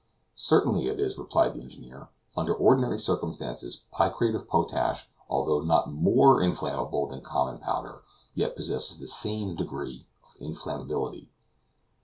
"Certainly it is," replied the engineer. "Under ordinary circumstances, picrate of potash although not MORE inflammable than common powder, yet possesses the SAME degree of inflammability."